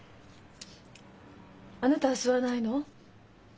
あなたは吸わないの？